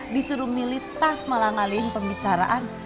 disuruh militas malah ngalihin pembicaraan